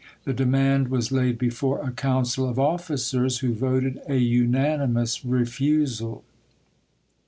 The demand joiirnai, was laid before a council of officers, who voted a \v R. ' Vol! unanimous refusal.